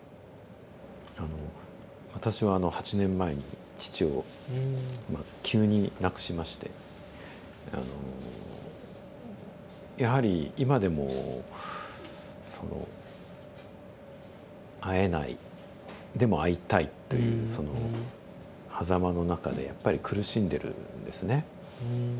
あの私はあの８年前に父をまあ急に亡くしましてあのやはり今でもその「会えないでも会いたい」というそのはざまの中でやっぱり苦しんでるんですね。